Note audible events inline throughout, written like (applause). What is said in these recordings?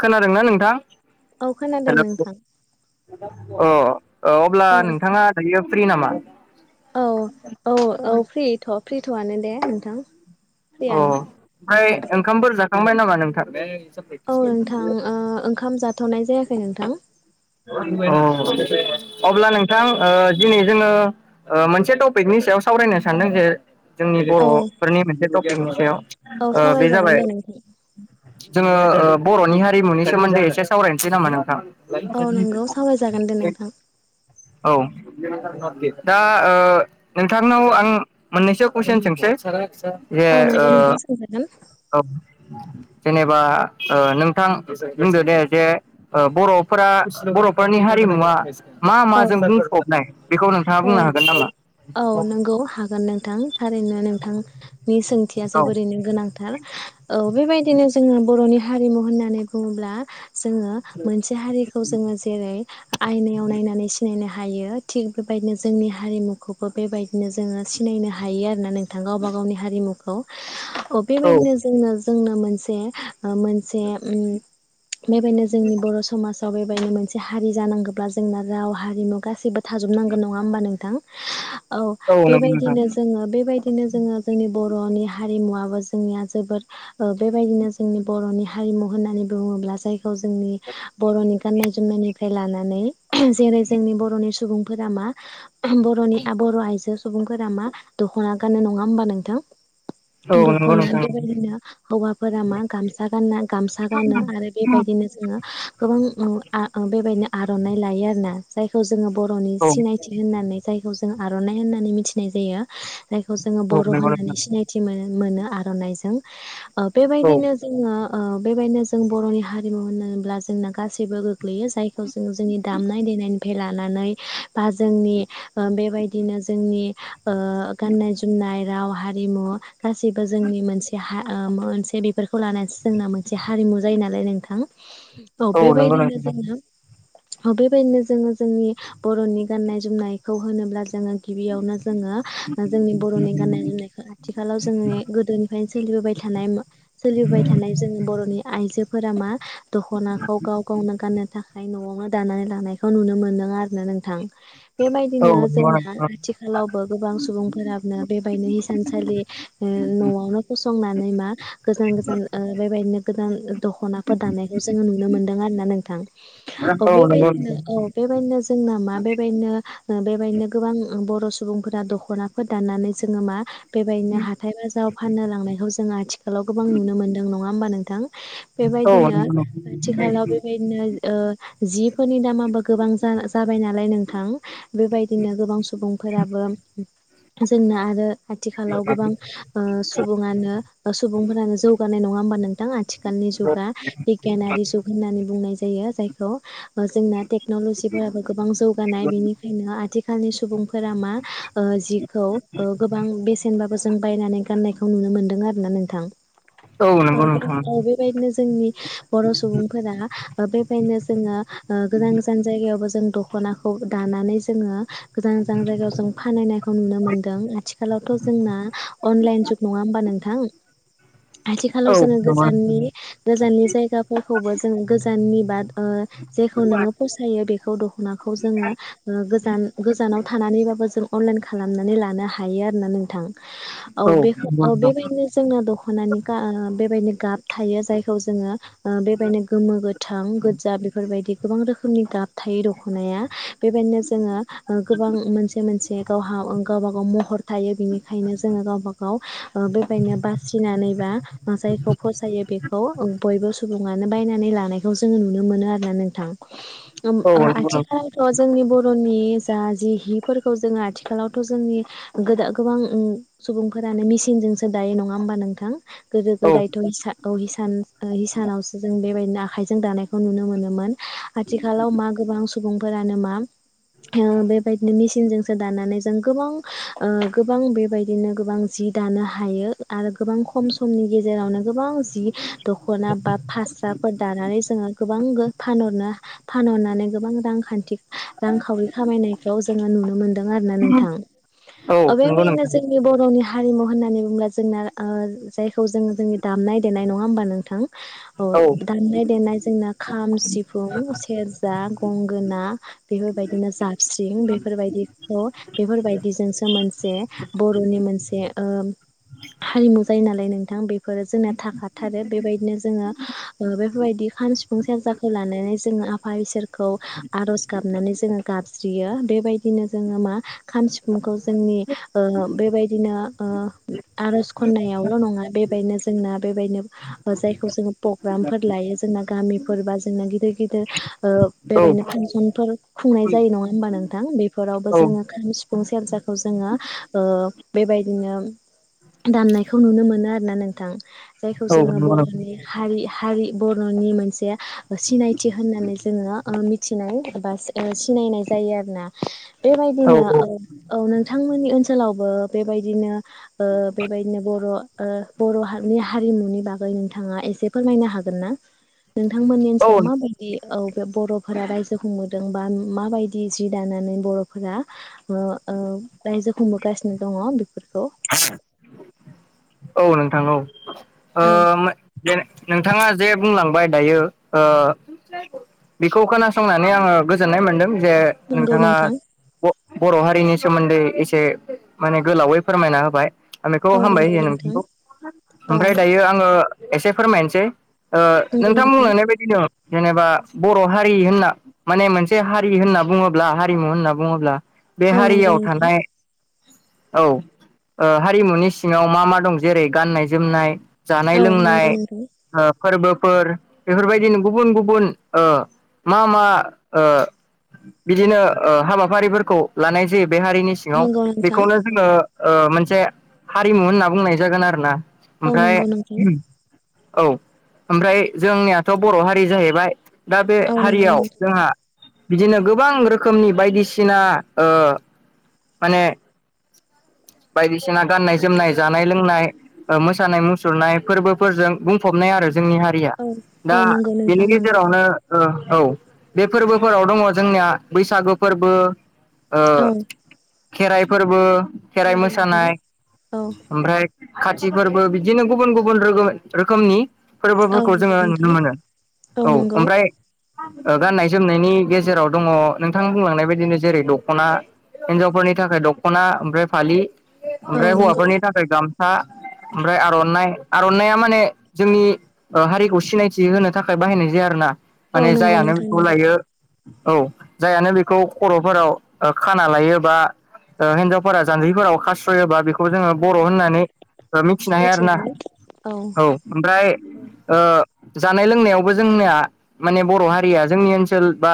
खोनादोंना नोंथां? औ खोनादों हेल' नोंथां। अ अब्ला नोंथाङा दायो फ्रि नामा? औ औ औ फ्रिथ' फ्रिथ'आनो दे नोंथां। अ फ्रियानो ओमफ्राय ओंखामफोर जाखांबाय नामा नोंथां? औ नोंथां ओ ओंखाम जाथ'नाय जायाखै नोंथां। अ अब्ला नोंथां ओ दिनै जोङो ओ मोनसे टपिकनि सायाव सावरायनो सानदों जे जोंनि औ बर'फोरनि मोनसे टपिकनि औ सायाव बे सावरायजागोन जाबाय दे नोंथां जोङो बर'नि हारिमुनि सोमोन्दै एसे सावरायनोसै नामा नोंथां (unintelligible) औ नंगौ सावरायजागोन दे नोंथां औ दा नोंथांनाव आं मोननैसो कुइसन सोंसै जे औ नंगौ नोंथां सोंजागोन ओ जेनेबा ओ नोंथां बुंदो दे जे बर'फोरा बर'फोरनि हारिमुवा मा औ माजों बुंफबनाय? बेखौ नोंथाङा औ बुंनो हागोन नामा औ नंगौ हागोन नोंथां थारैनो नोंथां नि सोंथिया औ जोबोरैनो गोनांथार औ बेबायदिनो जोङो बर'नि हारिमु होननानै बुङोब्ला जोङो मोनसे हारिखौ जोङो जेरै आयनायाव नायनानै सिनायनो हायो थिग बेबायदिनो जोंनि हारिमुखौबो बेबायदिनो जोङो सिनायनो हायो आरोना नोंथां गावबा गावनि हारिमुखौ अ औ बेबायदिनो जोंनो जोंनो मोनसे मोनसे उम बेबायनो जोंनि बर' समाज साव बेबायदिनो मोनसे हारि जानांगौब्ला जोंना राव हारिमु गासैबो थाजोबनांगोन नङा होमबा नोंथां औ नंगौ नोंथां बेबायदिनो जोङो बेबायदि नो जोङो जोंनि बर'नि हारिमुवाबबो जोंनिया जोबोर बेबायदिनो जोंनि बर'नि हारिमु होननानै बुङोब्ला जायखौ जोंनि बर'नि गाननाय जोमनायनिफ्राय लानानै जेरै जोंनि बर'नि सुबुं फोरख मा बर'नि बर' आइजो सुबुंफोरा मा दख'ना गाननो नङा होमबा नोंथां (unintelligible) दख'ना नोंथां बेबायदिनो हौवाफोरा मा गामसा गानना गामसा गानो आरो बेबायदिनो जों ङो गोबां उम आं बेबायदिनो आर'नाइ लायो आरोना जायखौ जोङो बर'नि औ सिनायथि होननानै जायखौ जों आर'नाइ होननानै मिथिनाय जायो जायखौ जोङो बर' नंगौ होननानै नोंथां सिनायथि मोनो। मोनो आर'नाइजों औ बेबायदिनो जोङो ओ बेबायदिनो जों बर'नि हारिमु होनोब्ला जोंना गासैबो गोग्लैयो जायखौ जों जोंनि दामनाय दे फैनायनिफ्राय लानानै बा जोंनि बेबायदिनो जोंनि ओ गाननाय जोमनाय राव हारिमु गासिबो जोंनि मोनसे हा मोनसे बेफोरखौ लानानैसो जोंना मोनसे हारिमु नुजायो नाल नोंथां औ नंगौ नोंथां नंगौ बेबायदिनो नोंथां जोङो अ बेबायदिनो जोङो जोंनि बर'नि गाननाय जोमनायखौ होनोब्ला जोङो गिबियावनो जोङो जोंनि बर'नि गाननाय जोमनायखौ आथिखालाव जोङो गोदोनिफ्राय सोलिबोबाय थानाय सोलिबाय थानाय जोनि बर'नि आइजो फोरा मा दख'नाखौ गाव गावनो गाननो थाखाय न'आवनो दानानै लानायखौ नुनो मोनदों आरोना नोंथां। औ बेबायदिनो जोंहा आथिखालावबो गोबां सुबुंफोरानो बेबायनो हिसानसालि ओ न'आवनो फसंनानै मा गोजान गोजान ओ बेबायदिनो गोजान दख'नाफोर दानायखौ जों नुनो मोनदों आरोना नोंथां औ नंगौ बेबायदिनो औ नोंथां बेबायदिनो जोंना मा बेबायदिनो बेबायदिनो गोबां ओं बर' सुबुंफोरा दख'नाफोर दाननानै जोङो मा बेबायदिनो हाथाय बाजाराव फाननो लांनायखौ जों आथिखालाव गोबां नुनो मोनदों नङा होमबा नोंथां बे औ नंगौ नोंथां औ बेबायदिनो नंगौ आथिखालाव बेबायदिनो ओ जिफोरनि दामाबो गोबां जाजाबाय नालाय नों थां बेबायदिनो गोबां सुबुंफोराबो जोंनो आरो आथिखालाव गोबां ओ सुबुङानो अ सु बुंफोरानो जौगानाय नङा होमबा नोंथां आथिखालनि जुगा बिगियानारि जुग होननानै बुंनाय जायो जाय खौ जोंना टेक्न'लजिफोराबो गोबां जौगानाय बेनिखायनो आथि- खालनि सुबुंफोरा मा ओ जिखौ ओ गोबां बेसेनबाबो जों बायनानै गाननायखौ नुनो मोनदों आरोना नोंथां औ औ औ बेबायदिनो जोंनि बर' सुबुंफोरा बेबायदिनो जोङो ओ गोजान जायगायावबो जों दख'नाखौ दानानै जोङो। गोजान गोजान जायगायाव जों फाननायखौ नुनो मोनदों आथिखालावथ' जोंना अनलाइन जुग नङा होमबा नोंथां। औ आथिखालाव जोङो नंगौ नोंथां गोजाननि गोजाननि जायगाफोरखौबो जोङो गोजाननि बाद ओ जेखौ नोङो फसायो बेखौ दखनाखौ जोङो ओ गोजान गोजानाव थानानै बा बो जों अनलाइन खालामनानै लानो हायो आरोना नोंथां। औ बेखौ नंगौ औ नोंथां बेबायदिनो जोंना दख'नानि गा बेबायदिनो गाब थायो जायखौ जोङो ओ बेबायनो गोमो गोथां गोजा बेफोरबायदि गोबां रोखोमनि गाब थायो द- खनाया बेबायदिनो जोङो गोबां मोनसे मोनसे गावहा गावब गाव महर थायो। बेनिखायनो जोङो गावब गाव ओ बेबायनो बासिनानैबा जायखौ फसायो बेखौ बयबो सुबुङनो बायनानै लानायखौ जोङो नुनो मोनो आरोना नोंथां। ओम औ ओ‌ नंगौ नोंथां आथिखाालफोराव जांनि बर फोरनि जा जि हिफोरखौ जोङो आथिखालावथ' जोंनि गोदा गोबां ओं सुबुंफोरा माने मिसिंजोंसो दायो नङा होमबा नोंथां। गोदो औ गोदायथ' हिसा औ हिसान ओ हिसानावसो जों बेबायदिनो आखाइजों दानायखौ नुनो मोनोमोन। आथिखालाव मा गोबां (unintelligible) से बायदिनो मेसिंजों जों दानानै जों गोबां ओ गोबां बेबायदिनो गोबां जि दानो हायो आरो गोबां खम समनि गेजेरावनो गोबां जि दख'ना बा फास्राफोर दानानै जोङो गोबां फानहरनो फानहरनानै गोबां रांखान्थि रांखावरि खामायनायखौ जोङो नुनो मोन्दों आरोना नोंथां। औ अ नंगौ बेबायदिनो नोंथां जोंनि बर हारिमु होननानै बुङोब्ला जोंना ओ जायखौ जों जोंनि दामनाय देनाय नङा होमबा नोंथां। अ औ दामनाय देनाय जोंना खाम सिफुं सेरजा गंगोना बेफोरबायदिनो जाबस्रिं बेफोरबायदिखौ बेफोरबायदि जोंसो मोन- से बर'नि मोनसे ओ हारिमु जायो नालाय नोंथां बेफोरो जोंना थाखाथारो बेबायदिनो जोङो बेफोरबायदि खाम सिफुं सेरजाखौ लानानै जोङो आफा इसोरखौ आर'ज गाबनानै जोङो गाब स्रियो बेबायदिनो जोङो मा खाम सिफुंखौ जोंनि बेबायदिनो ओ आर'ज खन्नायावल' नङा बेबायदिनो जोंना बेबायदिनो जायखौ जोङो प्रग्रामफोर लायो जोंना गामिफोर बा जोंना गिदिर गिदिर ओ बेबायदिनो फांसनफोर खुंनाय जायो नङा होमबा नोंथां बेफोरावबो औ जोङोखाम, सिफुं, सोरजाखौ जोङो ओ बेबायदिनो दामनायखौ नुनो मोनो आरोना नोंथां। जायखौ औ जोङो नंगौ नोंथां बर'नि हारि हारि बर'नि मोनसे सिनायथि होननानै जोङो मिथिनाय बा सिनायनाय जायो आरोना। औ बेबायदिनो औ नोंथांमोननि ओनसोलावबो बेबायदिनो ओ बेबायदिनो बर' ओ बर' हा रिनि हारिमुनि बागै नोंथाङा एसे फोरमायनो हागोन ना? नोंथांमोननि औ ओनसोलाव माबायदि औ बे बर' फोर रायजो खुंबोदों बा माबायदि जि दानानै बर'फोरा ओ ओ रा इजो खुंबोगासिनो दङ बेफोरखौ (inaudible) नोंथां औ औ ओ नोंथाङा जे बुंलांबाय दायो ओ बेखौ खोनासंनानै आङो गोजोननाय मोन्दों जे नंगौ नोंथाङा नोंथां बर' हारिनि सोमोन्दै एसे माने गोलावै फोरमायना होबाय आं बेखौ औ हामबाय नंगौ होयो नोंथां नोंथांखौ। औ ओमफ्राय दायो आङो एसे फोरमायनोसै। ओ नोंथां बुंलांनाय बायदिनो जेनेबा बर' हारि होनना माने मोनसे हारि होनना बुङोब्ला हारिमु होनना बुङोब्ला बे औ नंगौ हारियाव नोंथां थानाय औ, ओ हारिमुनि सिङाव मा मा दं जेरै गाननाय जोमनाय जानाय औ लोंनाय ओ (inaudible) फोरबोफोर बेफोरबायदिनो गुबुन गुबुन ओ मा मा ओ बिदिनो ओ हाबाफारिफोरखौ लानाय जे बे हारिनि सिङाव नंगौ नोंथां बेखौनो औ जोङो ओ मोनसे हारिमु होनना बुंनाय जागोन आरोना। औ नंगौ नोंथां। ओमफ्राय औ ओमफ्राय जोंनियाथ' बर' हारि जाहैबाय दा बे औ नंगौ हारियाव नोंथां जोंहा बिदिनो गोबां रोखोमनि बायदिसिना ओ माने बायदिसिना गाननाय जोमनाय, जानाय लोंनाय, ओ मोसानाय मुसुरनाय फोरबोफोरजों बुंफबनाय आरो जोंनि हारिया, औ औ दा नंगौ बेनि नोंथां नंगौ गेजेरावनो ओ औ बे फोरबोफोराव दङ' जोंनिया बैसागु फोरबो, ओ औ खेराइ फोरबो, खेराइ नंगौ नोंथां मोसानाय, औ ओमफ्राय खाथि फोरबो बिदिनो गुबुन गुबुन रोगो-रोखोमनि औ फोरबोफोरखौ नंगौ जोङो नुनो नोंथां मोनो। औ ओमफ्राय गाननाय जोमनायनि गेज् जेराव दङ' नोंथां बुंलांनाय बायदिनो जेरै दख'ना हिन्जावफोरनि थाखाय दख'ना ओमफ्राय फालि औ ओमफ्राय नंगौ हौवाफोरनि थाखाय गामसा ओमफ्राय आर'नाइ, आर'नाइया माने जोंनि ओ हारिखौ सिनायथि होनो थाखाय बाहायनाय जाया आरोना औ माने नंगौ जायानो नोंथां बेखौ नंगौ लायो औ जायानो बेखौ खर'फोराव खा ना लायो बा ओ हिन्जावफोरा जान्जिफोराव खास्र'योबा बे खौ जोङो औ बर' नंगौ होननानै ओ मिथिनो हायो सिनायथि आरोना। मोनो औ ओमफ्राय ओ जानाय लोंनायावबो जोंना माने बर' हारिया जोंनि ओनसोल बा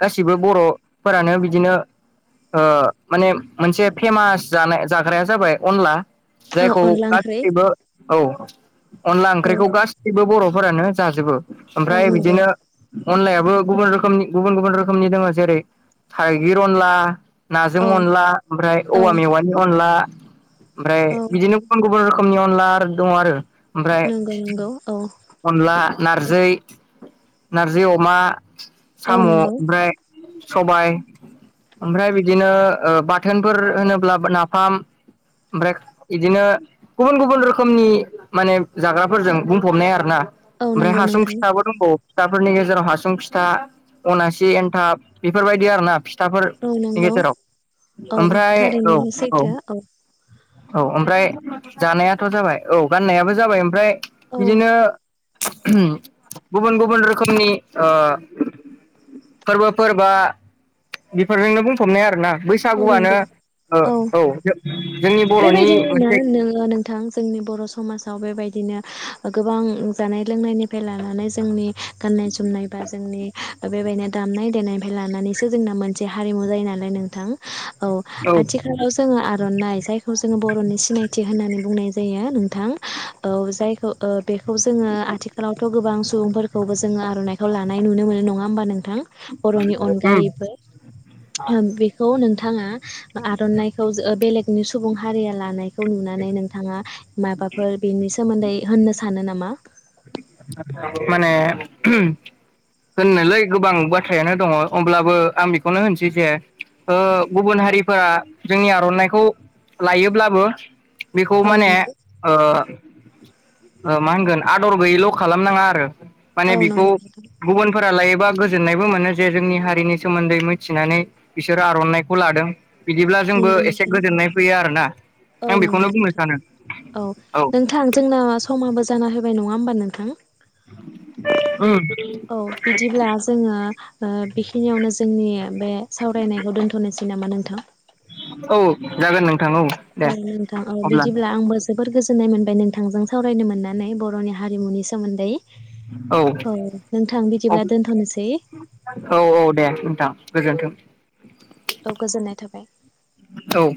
गासिबो बर' फोरानो बिदिनो ओ माने मोनसे फेमास जानाय जाग्राया जाबाय अनला औ जायखौ अनला ओंख्रि गासिबो औ, अनला औ ओंख्रिखौ गासैबो बर'फोरानो जाजोबो। औ ओमफ्राय नंगौ बिदिनो अनलायाबो गुबुन रोखोमनि गुबुन गुबुन रोखोमनि दङ' जेरै थाइगिर अनला नाजों औ अनला, ओमफ्राय औ औवा मेवानि अनला ओमफ्राय औ बिदिनो गुबुन गुबुन रोखोमनि अनला आरो दं आरो। ओमफ्राय नंगौ नंगौ औ अनला नारजि, नारजि अमा, औ साम' नंगौ ओमफ्राय सबाय ओमफ्राय बिदिनो ओ बाथोनफोर होनोब्ला नाफाम ओमफ्राय इदिनो गुबुन गुबुन रोखोमनि माने जाग्राफोरजों बुंफबनाय आरोना। औ ओमफ्राय नंगौ हासुं नोंथां फिथाबो दंबावो। फिथाफोरनि गेजेराव हासुं फिथा अनासि एनथाब बेफोरबायदि आरो ना फिथा औ नि नंगौ गेजेराव औ ओमफ्राय औ थारैनो औ। सैथो औ ओमफ्राय जानायाथ' जाबाय औ गाननायाबो जाबाय ओमफ्राय औ बिदिनो गुबुन गुबुन रोखोमनि ओ फोरबोफोरबा बेफोरजोंनो बुंफबनाय आरोना औ बैसागुआनो नंगौ औ, जोंनि बर'नि बेबायदिनो ना मोनसे नोङो नोंथां जोंनि बर' समाजाव बेबाय दिनो गोबां जानाय लोंनायनिफ्राय लानानै जोंनि गाननाय जोमनाय बा जोंनि दा बेबायदिनो दामनाय देनायफ्राय लानानैसो जोंना मोनसे हारिमु जायो नालाय नोंथां औ आथिखालाव जोङो आर'नाइ जायखौ जोङो बर'नि सिनायथि होननानै बुंनाय जायो नोंथां औ जायखौ बेखौ जोङो आथिखालाव आवथ' गोबां सुबुंफोरखौबो जोङो आर'इखौ लानाय नुनो मोनो नङा होमबा नोंथां बर'नि उम अनगायैबो बे नोंथाङा आर'नाइखौ बेलेगनि सुबुं हारिया लानायखौ नुनानै नोंथाङा माबाफोर बेनि सोमोन्दै होननो सानो नामा माने (inaudible) होननोलै गोबां बाथ्रायानो दङ अब्लाबो आं बेखौनो होनसै जे ओ गुबुन हारिफोरा जोंनि आर'नाइखौ लायोब्लाबो बेखौ औ माने नंगौ ओ ओ मा होनगोन आदर गैयैल' खालामनाङा आरो माने औ बेखौ नंगौ नोंथां गुबुनफोरा लायोबा गोजोननायबो मोनो जे जोंनि हारिनि सोमोन्दै मिथिनानै बिसोरो आर'नाइखौ लादों बिदिब्ला जोंबो नंगौ एसे नोंथां। गोजोननाय फैयो आरोना औ आं बेखौनो नंगौ बुंनो नोंथां सानो औ नोंथां जोंना समाबो जाना होबाय नङा होमबा नोंथां (inaudible) औ बिदिब्ला जोङा बेखिनियावनो जोंनि बे सावरायनायखौ दोनथ'नोसै नामा नोंथां औ जागोन नोंथां औ दे नोंथां औ अब्ला बिदिब्ला आंबो जोबोर गोजोननाय मोनबाय नोंथांजों सावरायनो मोननानै बर'नि हारिमुनि सोमोन्दै औ नोंथां बिदिब्ला दोनथ'नोसै औ औ दे नोंथां दे गोजोन्थों औ गोजोननाय थाबाय औ